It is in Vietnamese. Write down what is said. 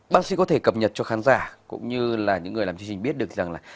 bác sĩ có thể cập nhật cho khán giả cũng như là những người làm chương trình biết được rằng là